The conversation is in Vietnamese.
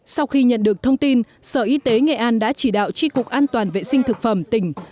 sau khi nhận được thông tin sở y tế nghệ an đã chỉ đạo tri cục an toàn vệ sinh thực phẩm tỉnh